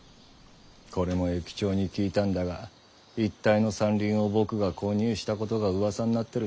これも駅長に聞いたんだが一帯の山林を僕が購入したことがうわさになってるそうだ。